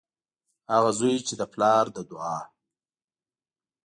هغه زوی چې د پلار د دعا